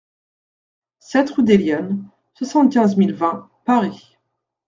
sept rue des Lyanes, soixante-quinze mille vingt Paris